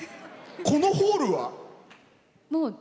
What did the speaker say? このホールは？